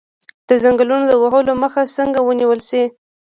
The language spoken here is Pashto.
د ځنګلونو د وهلو مخه څنګه ونیول شي؟